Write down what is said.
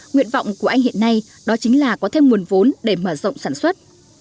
nguyện vọng của anh hiện nay đó chính là có thêm nguồn vốn để mở rộng sản xuất